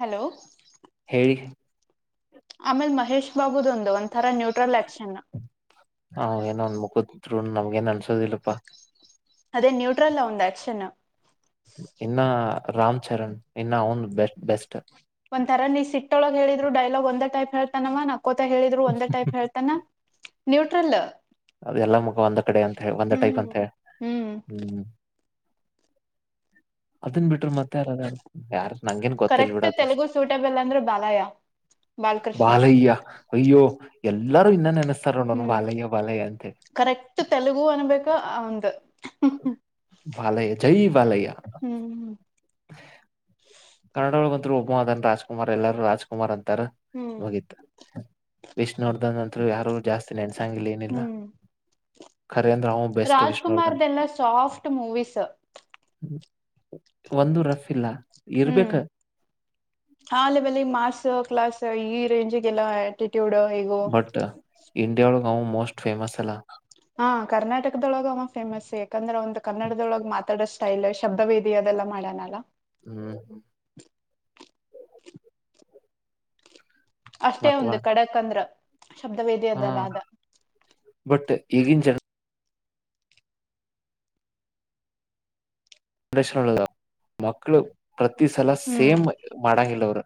hello ಹೇಳಿ ಆಮೇಲ್ ಮಹೇಶ್ ಬಾಗುದೊಂದು ಒಂಥರಾ ನ್ಯೂಟ್ರಲ್ ಆಕ್ಷನ್ ಹಾ್ ಏನ ಒಂದ ಮುಗುದಿದರು ನಮ್ಗ ಏನ್ ಅನ್ಸೋದಿಲ್ಲಪ್ಪಾ ಅದೇ ನ್ಯೂಟ್ರಲ್ ಉಂದ ಆಕ್ಕ್ಷನ್ ಇನ್ನ ರಾಮ್ಚರಣ್ ಇನ್ನ ಅವನು ಬೆ ಬೆಸ್ಟ್ ಒಂಥರಾ ನೀ ಸಿಟ್ಟೊಳಗ್ ಹೇಳಿದ್ರು ಡೈಲಾಗ್ ಒಂದೇ ಟೈಪ್ ಹೇಳ್ತಾನಮ್ಮ ನ ಕೋತಾ ಹೇಳಿದ್ರು ಒಂದ ಟೈಪ್ ಹೇಳ್ತಾನ ನ್ಯೂಟ್ರಲ್ ಅದೆ ಎಲ್ಲ ಮುಗ ಒಂದ ಕಡೆ ಅಂತೆ ಒಂದ ಟೈಪ್ ಹ್ಮ್ ಅಂತೆ ಹ್ಮ್ ಅದನ್ ಬಿಟ್ರ ಮತ್ತೆ ಯಾರದ ಯಾರ ನಂಗೇನ್ ಗೊತ್ತಿಲ್ ಬಿಡ ಕರೆಕ್ಟ್ ಅದಷ್ಟ ತೆಲುಗು ಸೂಟೇಬಲ್ ಅಂದ್ರೆ ಬಾಲಯ್ಯ ಬಾಲಕೃಷ್ಣ ಬಾಲಯ್ಯ ಅಯ್ಯೋ ಎಲ್ಲಾರು ಇನ್ನ ನೆನಸ್ತ ಹ್ಮ್ ಕರೆಕ್ಟ್ ತೆಲುಗು ಅನ್ಬೇಕ ಒಂದ್ ಬಾಲಯ್ಯ ಜೈ ಬಾಲಯ್ಯ ಹ್ಮ್ ಕನ್ನಡೊಳಗಂತೂ ಒಬ್ಬ ಅದನ್ ರಾಜ್ಕುಮಾರ್ ಎಲ್ಲರೂ ರಾಜ್ಕುಮಾರ್ ಅಂತ ತರ ಹ್ಮ್ ಹೋಗಿತ ಎಷ್ಟ ನೋಡ್ದ ಯಾರುರು ಜಾಸ್ತಿ ನೆನ್ಸಂಗಿಲ್ಲ ಏನಿಲ್ಲ ಹ್ಮ್ ರೇಂದ್ರ ಬೆಸ್ಟ್ ವಿಷ್ಣರ್ಧನ್ ರಾಜ್ಕುಮಾರ್ದೆಲ್ಲ ಸಾಫ್ಟ್ ಮೂವೀಸ್ ಒಂದು ರಫ್ ಇಲ್ಲ ಹ್ಮ್ ಇರ್ಬೇಕ ಆ ಲೆವೆಲ್ಲಿ ಮಾಸ್ ಕ್ಲಾಸ್ ಈ ರೇಂಜಿಗೆಲ್ಲ ಟ್ಯೂಡೋ ಹಗೋ ಬಟ್ ಇಂಡಿಯಾ ಒಳಗೆ ಅವ ಮೋಸ್ಟ್ ಫೇಮಸ್ ಅಲ್ಲ ಹಾ ಕರ್ನಾಟಕದೊಳ ಅವಾಗ ಫೇಮಸ್ ಯಾಕಂದ್ರೆ ಒಂದು ಕನ್ನಡದೊಳಗೆ ಮಾತಾಡೋ ಸ್ಟೈಲ್ ಶಬ್ದವೀದಿ ಲ್ಲ ಮಾಡಣಲ್ಲ ಹ್ಮ್ ಹ್ಮ್ ಅಷ್ಟೇ ಮತ್ ಒಂದು ಖಡಕಂದ್ರ ಶಬ್ದವೇದಿಯದಲ್ಲ ಅದ ಈಗಿ ಜಾಗ ಜರಷನ್ ಮಕ್ಳು ಪ್ರತಿ ಸಲ ಹ್ಮ್ ಸೇಮ್ ಮಾಡಂಗಿಲ್ಲ ಅವರು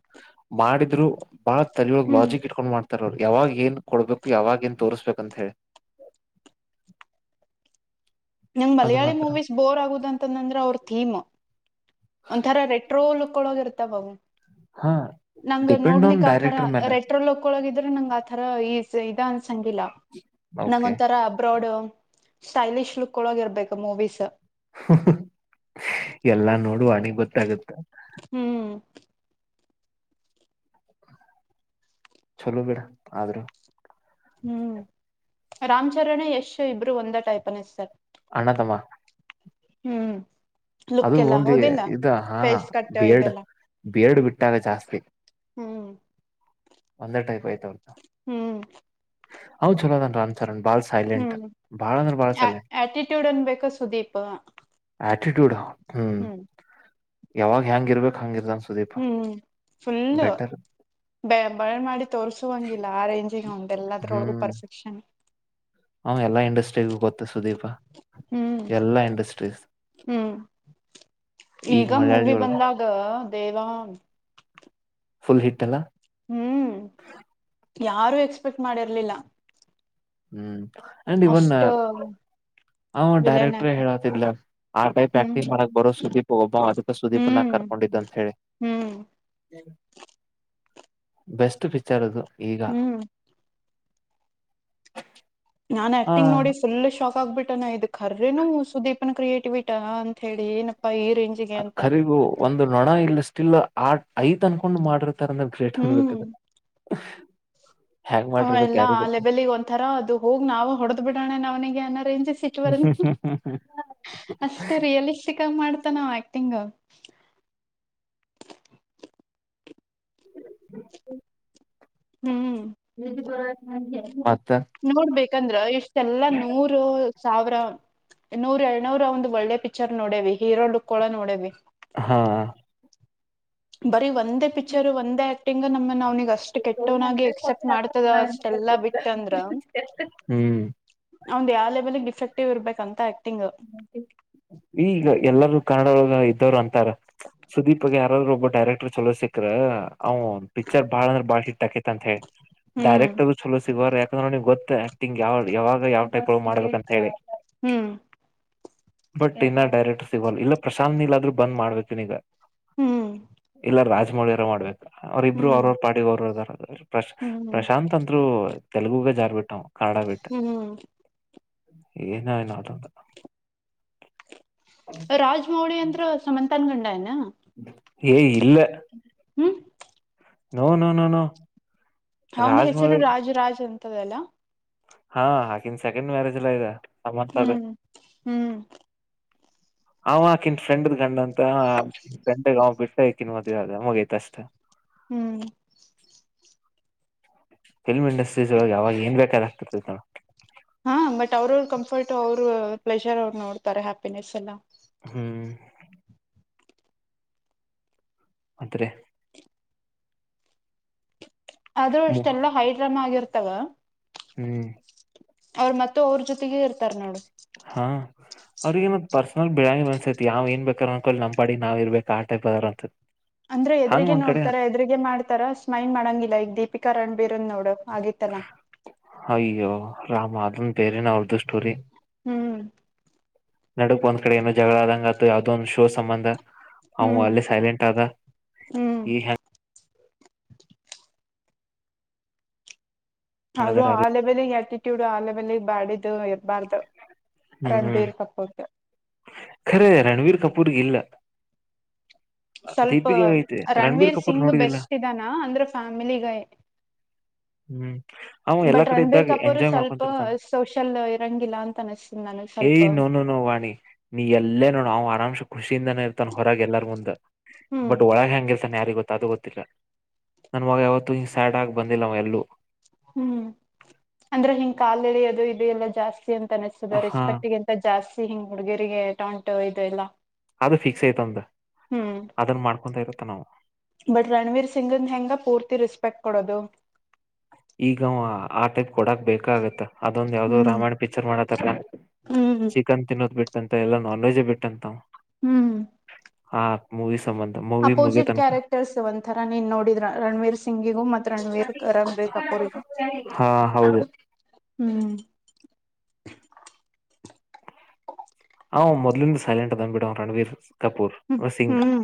ಮಾಡಿದ್ರು ಬಾಳ ತಲಿಯೋಳ ಹ್ಮ್ ಲಾಜಿಕ್ ಇಟ್ಕೊಂಡ್ ಮಾಡ್ತಾರೆ ಯಾವಾಗ ಏನ್ ಕೊಡ್ಬೇಕು ಯಾವಾಗ ಏನ್ ತೋರಿಸಬೇಕಂತ ಹೇಳಿ ನಂ್ ಅದು ಮಲಯಾಳಿ ಮಾತ್ರ ಮೂವೀಸ್ ಬೋರ್ ಆಗುದ ಅಂತಂದಂದ್ರ ಅವ್ರ ಥೀಮ್ ಒಂಥರ ರೆಟ್ರೋ ಲುಕ್ ಕೊಳೋಗಿರ್ತಾವಾವು ಹಾ ನಂಗ ಡಿಪೆಂಡ್ ಆನ್ ನೋಡ್ಲಿಕ್ ಆತರ ಡೈರೆಕ್ಟರ್ ಮೇಲೆ ರೆಟ್ರೋಲ್ ಒಕ್ಕೊಳಗಿದ್ರೆ ನಂಗ ಆತರ ಈ ಇದ ಅನ್ಸಂಗಿಲ್ಲ ನಂಗ ಓಕೆ ಒಥರ ಅಬ್ರಾಡ್ ಸ್ಟೈಲಿಷ್ ಲುಕ್ ಕ್ಕಳೋಗಿರ್ಬೇಕು ಮೂವೀಸ್ ಎಲ್ಲಾ ನೋಡುವನಿ ಗೊತ್ತಾಗುತ್ತ ಹ್ಮ್ ಚಲೋ ಬೀಡ ಆದ್ರೂ ಹ್ಮ್ ರಾಮ್ಚರಣೆ ಯಶು ಇಬ್ರು ಒಂದ ಟೈಪನ ಸರ್ ಅಣತಮ ಹ್ಮ್ ಲುಕ್ ಅದು ಎಲ್ಲ ಒಂದು ಹೌದಿಲ್ಲ ಇದ ಹಾ ಫೇಸ್ ಕಟ್ ಬಿ ಎಡ್ ಇದೆಲ್ಲ ಬಿ ಎಡ್ ಬಿಟ್ಟಾಗ ಜಾಸ್ತಿ ಹ್ಮ್ ಒಂದೇ ಟೈಪ್ ಆಯ್ತು ಹ್ಮ್ ಹೌ ಚಲೋದನ್ ರಾಮ್ಚರಣ ಬಾಳ ಸೈಲೆಂಟ್ ಹ್ಮ್ ಬಾಳ ಅಂದ್ರೆ ಬಾಳ ಸೈಲೆಂಟ್ ಆಟಿಟ್ಯೂಡ್ ಅನ್ಬೇಕ ಸುದೀಪ್ ಡ್ ಹ್ಮ್ ಯಾವಾಗ ಹೆಂಗ ಇರ್ಬೇಕು ಹಂಗ ಇರ್ದ ಅನ್ ಹ್ಮ್ ಫುಲ್ಲ ಬ ಬಳ ಮಾಡಿ ತೋರ್ಸುವ ಹಂಗಿಲ್ಲ ಆ ರೇಂಜಿಗೆ ಹ ಎಲ್ಲದರೊಳಗು ಹ್ಮ್ ಪರ್ಫೆಕ್ಷನ್ ಅವ ಎಲ್ಲ ಇಂಡಸ್ಟ್ರಿಗ ಗೊತ್ತು ಸುದೀಪ ಹ್ಮ್ ಎಲ್ಲಾ ಇಂಡಸ್ಟ್ರೀಸ್ ಹ್ಮ್ ಈಗ ಮಲಯಾಳಿ ಮೂವಿ ಒಳಗ ಬಂದಾಗ ದೇವಾ ಫುಲ್ ಹಿಟ್ ಅಲ್ಲ ಹ್ಮ್ ಯಾರು ಎಕ್ಸ್ಪೆಕ್ಟ್ ಮಾಡಿರ್ಲಿಲ್ಲ ಹ್ಮ್ ಅಷ್ಟ ಹ ವಿಲನ್ ಡೈರೆಕ್ಟ್ರೇ ಆಕ್ಟಿಂಗ್ ಹೇಳತಿದ್ಲ ಆ ಟೈಪ್ ಹ್ಮ್ ಆಕ್ಟಂಗ ಮಾಡಕ್ ಬರೋ ಸುದೀಪ್ ಒಬ್ಬ ಅದಕ್ಕ ಸುದೀಪ್ಗ ಹ್ಮ್ ಕರ್ಕೊಂಡು ನಡಿದ್ದಂತ ಹೇಳಿ ಹ್ಮ್ ಬೆಸ್ಟ್ ಪಿಕ್ಚರ್ ಅದು ಈಗ ಹ್ಮ್ ನಾನ್ ಆ ಆಕ್ಟಿಂಗ್ ನೋಡಿ ಫುಲ್ ಶಾಕ್ ಆಗ್ಬಿಟ್ಟ ನ ಇದ್ ಕರ್ರೇನು ಸುದೀಪನ್ ಕ್ರಿಯೇಟಿವಿಟಾ ಅಂತ ಹೇಳಿ ಈ ರೇಂಜಿಗೆ ಅಂತ ಕರಿಗು ಒಂದು ನೊಣ ಇಲ್ಲ ಸ್ಟಿಲ್ ಆ ಐತ್ ಅನ್ಕೊಂಡ್ ಮಾಡ್ರ ಹ್ಮ್ [unintelligible] ಹ್ ಎಲ್ಲಾ ಆ ಲೆಬಲಿಗ್ ಒಂಥರ ಅದು ಹೋಗ್ ನಾವು ಹೊಡೆದ್ ಬಿಡೋಣೆ ನವನಿಗೆ ಅನ್ನ ಅಷ್ಟೇ ರಿಯಲಿಸ್ಟಿಕ್ ಆಗ ಮಾಡ್ತ ನಾವ ಆಕ್ಟಿಂಗ್ [inaudible] [inaudible] ಹ್ಮ್ ನಿದು ಬರ ನೋಡ್ಬೇಕಂದ್ರ ಇಷ್ಟೆಲ್ಲ ನೂರು ಸಾವಿರ ನೂರ ಎರನೂರ ಒಂದ್ ಒಳ್ಳೆ ಪಿಕ್ಚರ್ ನೋಡೇವಿ ಹೀರೋ ಡಡ್ಕೋಳ ನೋಡೇವಿ ಹಾ ಬರೀ ಒಂದೇ ಪಿಕ್ಚರ್ ಒಂದೇ ಆಕ್ಟಿಂಗ್ ನಮ್ಮ ನನಿಗೆ ಅಷ್ಟ್ ಕೆಟ್ಟವ್ನಾಗಿ ಎಕ್ಸೆಪ್ಟ್ ಮಾಡ್ತದ ಅಷ್ಟೆಲ್ಲಾ ಬಿಟ್ಟಂದ್ರ ಹ್ಮ್ ಒಂದ್ ಯಾವ ಲೆಬಲಿ ಡಿಫೆಕ್ಟಿವ್ ಇರ್ಬೇಕ ಅಂತ ಆಗ್ತತಿ ಈಗ ಎಲ್ಲರೂ ಕನ್ನಡವಾಗ ಇದ್ದವರು ಅಂತಾರ ಸುದೀಪ್ಗ ಯಾರಾದ್ರರು ಒಬ್ಬ ಡೈರೆಕ್ಟರ್ ಚಲೋ ಸಿಕ್ಕ್ರ ಅವ್ ಪಿಕ್ಚರ್ ಬಾಳ ಅಂದ್ರ ಬಾಳ ಹಿಟ್ ಹಾಕೈತಿ ಅಂತ ಹೇಳಿ ಹ್ಮ್ ಡೈರೆಕ್ರ್ ಚಲೋ ಸಿಗುವ ಯ ಗ್ ಗೊ ಆಕ್ಟಿಂಗ್ ಯಾವ ಯಾವಾಗ ಯಾವ್ ಟೈಪ್ ಮಾಡ್ಬೇಕಕ್ ಅಂತ ಹೇಳಿ ಹ್ಮ್ ಬಟ್ ಇನ್ನ ಡೈರೆಕ್ಟ್ ಸಿಗವಲ್ ಇಲ್ಲ ಪ್ರಶಾಂತ್ ನೀಲ್ದ್ರೂ ಬಂದ್ ಮಾಡ್ಬೇಕತನ ಈಗ ಹ್ಮ್ ಇಲ್ಲ ರಾಜಮೌಳಿಯಾರ ಮಾಡ್ಬೇಕು ಅವ್ರಬ್ರು ಅವ್ರ ಹ್ಮ್ ಅವ್ರ ಪಾರ್ಟಿ ಅವ್ರಾರ ಪ್ರಶ ಹ್ಮ್ ಪ್ರಶಾಂತ್ ಅಂದ್ರು ತೆಲುಗುಗೆ ಜಾರ್ ಬಿಟ್ಟು ಕನ್ನಡ ಬಿಟ್ಟ ಹ್ಮ್ ಏನ ಅನದು [inaudible] ರಾಜಮೌಳಿ ಅಂದ್ರ ಸಮಂತನ್ ಗಂಡ ನ ಏ ಇಲ್ಲ ಹ್ಮ್ ನೋ ನೋ ನೋ ಅವಂದ್ ಹೆಸರು ರಾಜ್ಮೌಳಿ ರಾಜ ರಾಜ್ ಅಂತದಲ್ಲ ಹಾ ಹಕಿನ ಸೆಕೆಂಡ್ ಮ್ಯಾರೇಜ್ ಎಲ್ಲಾ ಇದೆನ್ ಹ್ಮ್ ಹ್ಮ್ ಅವಕನ್ ಫ್ರೆಂಡ್ದ್ ಗಂಡ್ ಅಂತ ಫ್ರೆಂಡಗ ಅವ ಬಿಟ್ಟಕನ್ ಮದ್ವೆ ಅದ ಮಗೈತ್ ಅಷ್ಟ ಹ್ಮ್ ಫಿಲ್ಮ್ ಇಂಡಸ್ಟ್ರೀಳ ಯಾವಾಗ ಏನ್ ಬೇಕಾದ ಆಗ್ತಿತಿ ತ ಹಾ ಬಟ್ ಅವ್ರ ಕಂಫರ್ಟ್ ಅವರು ಪ್ಲೆಜರ್ ಅವ್ರು ನೋಡ್ತಾರೆ ಹ್ಯಾಪಿನೆಸ್ ಎಲ್ಲ ಹ್ಮ್ ಮತ್ತೆ ಅದು ಅಷ್ಟೆಲ್ಲಾ ಹೈಡ್ರಮ್ ಆಗಿರ್ತವ ಹ್ಮ್ ಅವ್ರ ಮತ್ತ ಅವ್ರ ಜೊತೆಗೆ ಇರ್ತಾರ ನೋಡು ಹಾ ಅವ್ರಗಏ ಪರ್ಸನಲ್ ಬಿಳೆ ಅನ್ಸೈತಿ ಯಾವ ಏನ್ ಬೇಕಾರ ಅನ್ಕೋ ನಮ್ಮಾಡಿಾವ ಇರ್ಬೇಕ ಆ ಟೈಪ್ ಅದ ಅಂತ ಅಂದ್ರೆ ಹಂಗ್ ಎದ್ರಗೆ ಒಂದ್ ಕಡೆ ನೋಡ್ತಾರ ಎದ್ರಿಗೆ ಮಾಡ್ತಾರ ಸ್ಮೈಲ್ ಮಾಡಂಗಿಲ್ಲ ಈಕ್ ದೀಪಿಕಾ ರಣ್ಬೀರಂದ ನೋಡು ಆಗಿ ತ್ತರ ಅಯ್ಯೋ ರಾಮ ಅದನ್ ಬೇರೆೇನ ಅವರ್ದುು ಸ್ಟೋರಿ ಹ್ಮ್ ನಡಕ್ ಒಂದ್ ಕಡೆ ಏನೋ ಜಗಳ ಆದಂಗ ಅದು ಯಾವ್ದದ ಒಂದು್ ಶೋ ಸಂಬಂಧ ಅವ ಹ್ಮ್ ಅಳ್ಳೆ ಸೈಲೆಂಟ್ ಆದದ ಹ್ಮ್ ಈ ಅವ್ರು ಹೆಂಗ ಆ ಲೆಬಲ್ ಆಟಿಟ್ಯೂಡ್ ಆ ಲೆವೆಲ್ಗ್ ಬಾಡದುು ಇರಬಾರ್ದು ರಂಡೇರು ಕಪೋಟ ಖರೆೇ ರಣವೀರ್ ಕಪೂರ್ ಇಲ್ಲ ಸ್ವಲ್ಪ ದೀಪಿಗೆ ಐತೆ ರಣಬೀರ್ ರಣವೀರ್ ಕಪೂರ್ ಸಿಂಗ್ ನೋಡಿದಿಲ್ಲ ಬೆಸ್ಟ್ ಇದಾನ ಅಂದ್ರೆ ಫ್ಯಾಮಿಲಿಗ [inaudible] ಹ್ಮ್ ಅವ ಎಲ್ಲಾ ಬಟ್ ಕಡೆ ರಣಬೀರ್ ಇದ್ದಾಗ ಕಪೂರ್ ಎಂಜಾಯ್ ಸ್ವಲ್ಪ ಮಾಡ್ಕೊಂತಿರ್ತಾನ ಸೋಷಲ್ ಇರಂಗಿಲ್ಲ ಅಂತ ಅನಸ್ತನ ಅನಸ್ತ ಏಯ್ ನೋನು ನೋವಾಣಿ ನೀ ಎಲ್ಲೇ ನೋ ನಾವು ಆರಾಮ ಂಷ ಖುಷಿಯಿಂದಾನೇ ಇರ್ತಾನನ್ ಹೊರಗೆ ಎಲ್ಲಾರ್ ಮುಂದ ಹ್ಮ್ ಬಟ್ ಒಳಗೆ ಹಂಗ ಇರ್ತಾನ ಯಾರಿಗ ಗೊತ್ತ ಅದು ಗೊತ್ತಿಲ್ಲ ನನ್ ಮಾಗ ಯಾವತ್ತುೂ ಹ ಸ್ಯಾಡ್ ಆಗಿ ಬಂದಿಲ್ಲ ಅವ ಎಲ್ಲೂ ಹ್ಮ್ ಅಂದ್ರೆ ಹಿಂಗ್ ಕಾಲ ಎಳೆಯ ಅೋದು ಇದು ಎಲ್ಲಾ ಜಾಸ್ತಿ ಅಂತ ತನಸುದ ಹಾ ರೆಸ್ಪೆಕ್ಟ್ಗಂತ ಜಾಸ್ತಿ ಹಿಂಗ್ ಹುಡುಗಿರಿಗೆ ಟಾಂಟು ಇದು ಇಲ್ಲ ಅದು ಫಿಕ್ಸ್ ಐತಂದ ಅದನ್ ಮಾಡ್ಕೊಂತ ಇರತ್ತ ನಾವು ಬಟ್ ರಣವೀರ್ ಸಿಂಗಂದ ಹೆಂಗ ಪೂರ್ತಿ ರೆಸ್ಪೆಕ್ಟ್ ಕೊಡೋದು ಈಗ ಆ ಟೈಪ್ ಕೊಡಾಕ್ ಬೇಕ ಆಗತ್ತ ಅದೊಂದ್ ಯಾವ್ದೋ ಹ್ಮ್ ರಾಮಾಯಣ ಪಿಕ್ಚರ್ ಮಾಡತ್ತಾರ ಹ್ಮ್ ಚಿಕನ್ ತಿನ್ನೋದ್ ಬಿಟ್ಟ ಅಂತ ಎಲ್ಲ ನಾನ್ ವೆಜ ಬಿಟ್ಟಂತ ಹ್ಮ್ ಆ ಮೂವಿ ಸಂಬಂಧ ಮೂವಿ ಮುಗಿಯೋ ಅಪೋಸಿಟ್ ತನಕ ಕ್ಯಾರೆಕ್ಟರ್ಸ್ ಒಂಥರ ನೀನ್ ನೋಡಿದ ರಣವೀರ್ ಸಿಂಗಿಗು ಮೆ ರ ಬೇರು ಇರಂಗ ತಪ್ಪ್ರಗದು ಹಾ ಹೌದು ಹ್ಮ್ ಹ ಹ ಮೊದ್ಲಿಂದ ಸೈಲೆಂಟ್ ಅದ ಅಂದ್ಬಿಡ ರಣಬೀರ್ ಕಪೂರ್ ಹ್ಮ್ ಸಿಂಗ್ ಹ್ಮ್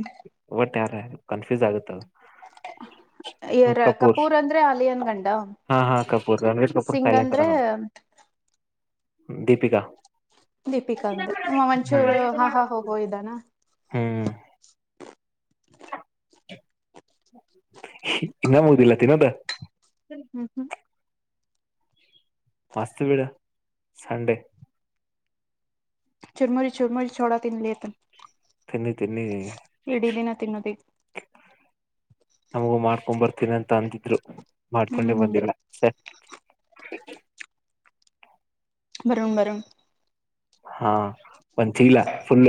ಒ ಾರ ಕನ್ಫ್ಯೂಸ್ ಆಗುತ್ತ ಯರ ಕಪೂರ್ ಅಂದ್ರೆ ಅಲಿಯನ್ ಗಂಡ ಹಾ ಹಾ ಕಪೂರ್ ರಮೇಶ ಕಪೂರ್ ಸಿಂಗ್ ಸೈಲೆಂಟ್ದ ಅಂದ್ರೆ ನಾವು [inaudible] ದೀಪಿಕಾ ದೀಪಿಕಾ ಅಂದ ನಿಮ್ಮ ಹ್ಮ್ ಮಂಚೂರು ಹಾ ಹಾ ಹೋಗೋ ಇದ್ದಾನ ಹ್ಮ್ ಇನ್ನ ಮುದಿಲ್ಲ ತಿನ್ನದ ಹ್ಮ್ ಹ್ಮ್ ಮಸ್ತ್ ಬಿೀಡ ಸಂಡೇ ಚುರ್ಮುರಿ ಚುರ್ಮುರಿ ಛೋಡಾ ತಿಲ್ಲಿತ ತಿನ್ನಿ ತಿನ್ನಿ ಎಡೀ ದಿನ ತಿನ್ನುೋದ ನಮಗೂ ಮಾಡ್ಕೊಂಡ ಬರ್ತೀನಿ ಅಂತ ಅಂದಿದ್ರು ಹ್ಮ್ ಮಾಡ್ಕೊಂಡೆ ಹ್ಮ್ ಬಂದಿಲ್ಲ ಸ ಕೀ ಬರಂ ಬರ ಹಾ ಒಂತಲ್ಲ ಫುಲ್ಲ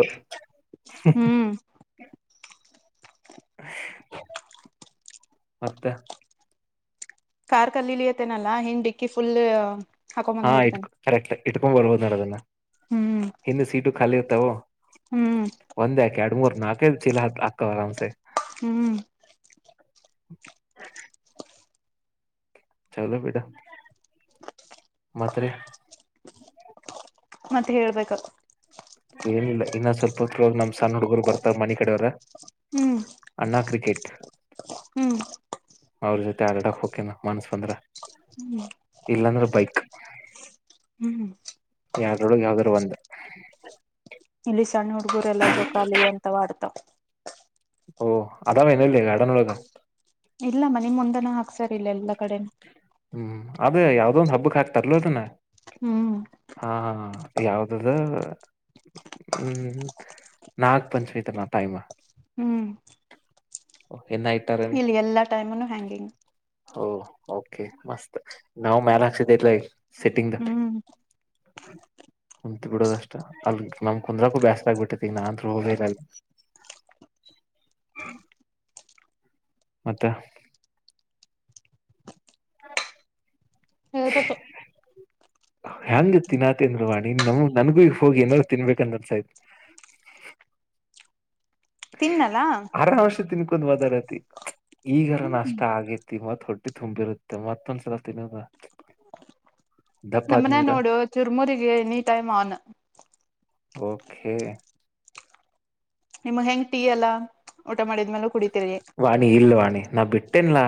ಹ್ಮ್ ಮತ್ತೆ ಕಾರ್ ಕಲ್ಲಿಲಿ ಅತೆೇನಲ್ಲಾ ಹನ್್ ಡಿಕ್ಕಿ ಫುಲ್ ಹಾಕೊಂಡ್ ಹಾ ಬಂದ್ ಇಟ್ಕ ಬಿಡ್ತೇನೆ ಕರೆಕ್ಟ್ ಇಟ್ಕೊಂಡ್ ಬರ್ಬೋದ ನಡ ಅದನ್ನ ಹ್ಮ್ ಹಿಂದ ಸೀಟು ಖಾಲಿ ಇರ್ತಾವ ಹ್ಮ್ ಕೆಡಮರ ನಾಕ ಚಿಲ್ಲ ಹ ಆಕ್ಕ ಆರಾಮ ಸ ಹ್ಮ್ [inaudible] ಚಲೋ ಬೇಟ ಮತ್ೆ ಮತ್ತೆ ಹೇಳ್ಬೇಕ ಏನಿಲ್ಲ ಇನ್ನ ಸ್ವಲ್ಪ ಹೊತ್ರ ನಮ್ ಸಣ್ಣ ಹುಡುಗರು ಬರ್ತಾವ ಮನ ಕಡೆಯವರ ಹ್ಮ್ ಅಣ್ಣ ಕ್ರಿಕೆಟ್ ಹ್ಮ್ ಅವ್ರ ಜೊತೆ ಆಡಡಾಕ್ ಹೋಗಕೇನ ಮನ್ಸ್ ಬಂದ್ರ ಹ್ಮ್ ಇಲ್ಲಾಂದ್ರೆ ಬೈಕ್ ಹ್ಮ್ ಯಾರೊಳಗೆ ಯಾವ್ದ್ರು ಒಂದು ಇಲ್ಲಿ ಸಣ್ಣ ಹುಡ್ಗರೆಲ್ಲಾ ಜೋಕಾಲಿ ಅಂತ ಮಾಡಡ್ತಾವ್ ಓ ಅದೆನ ಇಲ್ಲಿ ಅಡನ್ಳಗ ಇಲ್ಲಮ್ಮ ನಿಮ್ ಮುಂದನ ಹಾಕ್ಸರ್ಿಲ್ಲ ಎಲ್ಲಾ ಕಡೆನ ಹ್ಮ್ ಅದೇ ಯಾವ್ದ ಒಂದ್ ಹಬ್ಬಕ್ ಹಾಕ್ತಾರ್ಲ ಅದನ ಹ್ಮ್ ಹಾ ಹಾ ಯಾವ್ದದ ಹ್ಮ್ ನಾಗ ಪಂಚಮಿ ತಲ್ಲಾ ಟೈಮ [inaudible] ಇಲ್ಲಿ ಎಲ್ಲಾ ಟೈಮನು ಹ್ಯಾಂಗಿಂಗ್ ಓ ಓಕೆ ಮಸ್ತ್ ನಾವ್ ಮ್ಯಲ್ ಹಾಕ್ಸಿದ ಇಲ್ಲ ಈ ಹ್ಮ್ ಕುತ್ ಬಿಡೋದಷ್ಟ ಅಲ್ ನಮ್ ಕುಂದ್ರಕೂ ಬ್ಯಸ್ ಆಾಗಗ್ಬಿಟ್ಟೈತಿಗ ನಾ ಅಂತೂ ಹೋಗ್ೇರಲ್ [inaudible] ಮತ್ತೆ ಹತಪ್ಪ ಹೆಂಗ ತಿಿನಾತ ಅಂದರು ವಾಣಿ ನಮ್ ನನ್ಗೂ ಹೋಗಿ ಏನಾದಾರರು ತಿನ್ಬೇಕಂದ ಅನ್ಸಾಯತ್ ತಿನ್ನಲಾ ಕುಂದ್ ಮದಾಡತಿ ಈಗಾರ ಹ್ಮ್ ನಾಷ್ಟ ಆಗೇತಿ ಮತ್ ಹೊಟ್ಟಿ ತುಂಬಿರುತ್ತೆ ಮತ್ತೊಂದ್ಸಲ ತಿಿನದ ಹ ನಮನೆ ನೋಡು ತಿರ್ಮೂರಿಗೆ ಎನಿ ಟೈಮ್ ಆನ್ ಓಕೆ ನಿಮ್ಮ ಹೆಂಗ್ ಟೀ ಅಲ್ಲ ವಾಣಿ ಇಲ್ ವಾಣಿ ನಾ ಬಿಟ್ಟೇನ್ಲ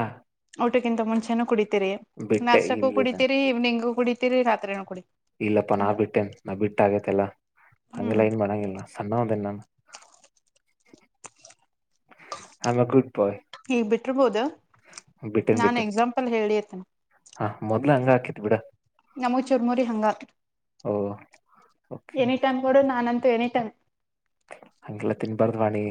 ಊಟಕ್ಕಿಂತ ಮುಂಚೆನ ಕುಡಿತೀರಿ ಬಿಟ್ಟೆ ನಾಷ್ಟಕ್ಕೂ ಇಲ್ಲ ಇಲ್ಲ ಕುಡಿತೀರಿ ಇವ್ನಿಂಗು ಕುಡಿತೀರಿ ರಾತ್ರಿನೂ ಕುಡಿತರಿ ಇಲ್ಲಪ್ಪಾ ನಾ ಬಿಟ್ಟೇನ್ ನಾ್ ಬಿಟ್ಟ ಆಗೇತೆಲ್ಲಾ ಅಂಗ ಹ್ಮ್ ಲೈನ್ ಮಾಡಡಂಗಿಲ್ಲ ಸಣ್ಣ ಅದನಾನ ಆಮ್ ಅ ಗುಡ್ ಬಯ ಇರ್ಬೋದ ನಾನ್ ಎಕ್ಸಾಂಪಲ್ ಹೇಳಿತೇನೆ ಹಾ ಮೊದ್ಲ ಹಂಗ ಹಾಕಿತ್ ಬಿಡ ನಮ ಚುರ್ಮುರಿ ಹಂಗ ಓ ಓಕೆ ಎನಿ ಟೈಮ್ ಕೂಡ ನಾನಂತ ಎನಿ ಟೈಮ ಅಂಗಲ್ಲ ತಿನ್ಬಾರದವಾಣಿ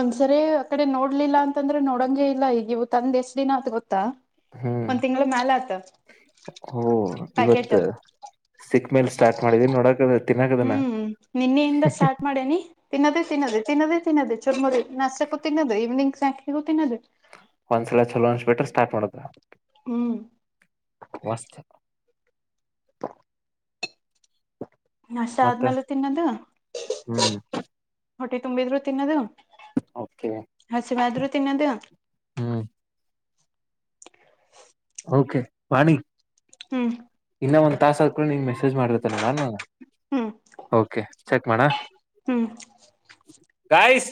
ಒಂದ್ಸರಿ ಆ ಕಡೆ ನೋಡ್ಲಿಲ್ಲ ಅಂತಂದ್ರೆ ನೋಡಂಗಗೆ ಇಲ್ಲ ಈಗ ಇವು ತಂದ ಎಷ್ಟ ದಿನ ಅತ್ ಗೊತ್ತ ಆ ಹ್ಮ್ ಒಂದ್ ತಿಂಗಗಳ ಮ್ಯಾಲ ಆತ ಓ ಇವತ್ ಪ್ಯಾಕೆಟ್ ಸಿಕ್ ಮೇಲ್ ಸ್ಟಾರ್ಟ್ ಮಾಡಿದೀಿ ನೋಡಕದ ಹ್ಮ್ ನಿನ್ನೆಯಿಂದ ಸ್ಟಾರ್ಟ್ ಮಾಡೇನಿ ತಿನ್ನದೇ ತಿನ್ನದೇ ತಿನ್ನದೇ ತಿನ್ನದೆೇ ಚುರ್ಮೊದ ನಸಕ್ಕೂ ತಿನ್ನದು ಈವ್ನಿಂಗ್ ಸಾಯಂಕಿಗೂ ತಿನ್ನೋದು ಒಂದ್ಸಲ ಚಲೋ ಅನ್ಸ್ಬಿಟ್ರೆ ಸ್ಟಾರ್ಟ್ ಮಾಡ್ದ ಹ್ಮ್ ವಸ್ತ ನಾಷ್ಟ ಮತ್ತ ಆದ್ಮೇಲೆ ತಿನ್ನದು ಹ್ಮ್ ಹೊಟ್ಟೆ ತುಂಬಿದ್ರು ತಿನ್ನದು ಓಕೆ ಹಸಿವಾದ್ರು ತಿನ್ನೋದು ಹ್ಮ್ ಓಕೆ ವಾಣಿ ಹ್ಮ್ ಇನ್ನ ಒಂದ್ ತಾಸ ಆದಕ ನಿ ಮೆಸೇಜ್ ಮಾಡರತ್ತ ನೋಡ ಹ್ಮ್ ಕೆ ಚೆಕ್ ಮಾಡ ಹ್ಮ್ ಗೈಸ್